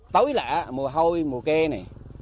tối lạ mùa hôi mùa kê này